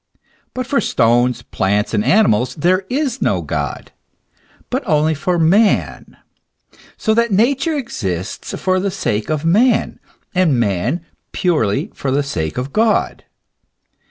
But for stones, plants, and animals there is no God, but only for man; so that Nature exists for the sake of man, and man purely for the sake of God.